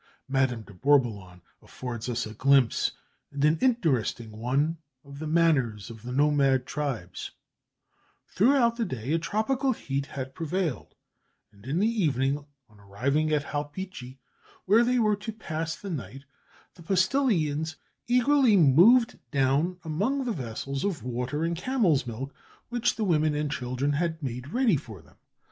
Madame de Bourboulon affords us a glimpse, and an interesting one, of the manners of the nomad tribes: "Throughout the day a tropical heat had prevailed, and in the evening, on arriving at Haliptchi, where they were to pass the night, the postillions eagerly moved down upon the vessels of water and camel's milk which the women and children had made ready for them.